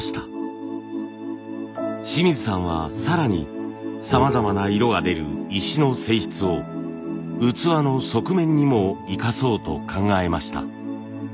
清水さんは更にさまざまな色が出る石の性質を器の側面にも生かそうと考えました。